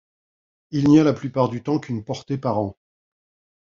Il n'y a la plupart du temps qu'une portée par an.